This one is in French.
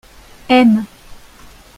aimes.